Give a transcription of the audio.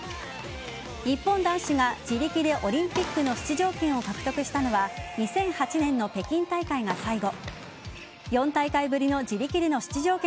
日本男子が自力でオリンピックの出場権を獲得したのは２００８年の北京大会が最後。